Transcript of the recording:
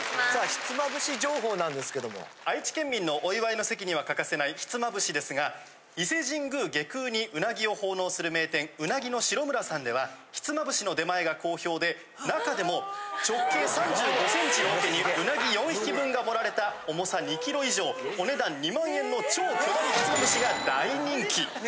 ひつまぶし情報なんですけど、愛知県民のお祝いの席には欠かせないひつまぶしですが、伊勢神宮外宮にうなぎを奉納する名店、うなぎのしろむらさんでは、ひつまぶしの出前が好評で、中でも直径３５センチ、おけに、うなぎ４匹分が盛られた、重さ２キロ以上、お値段２万円の超巨大ひつまぶしが大人気。